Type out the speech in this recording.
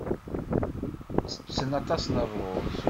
Ttetten aṭas n ṛṛuz.